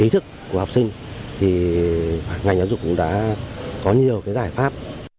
trực của học sinh thì ngành giáo dục cũng đã có nhiều giải pháp